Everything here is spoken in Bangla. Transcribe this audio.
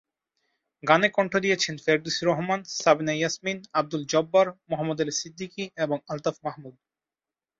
গানে কণ্ঠ দিয়েছেন ফেরদৌসী রহমান, সাবিনা ইয়াসমিন, আব্দুল জব্বার, মোহাম্মদ আলী সিদ্দিকী এবং আলতাফ মাহমুদ।